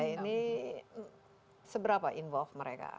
ini seberapa involve mereka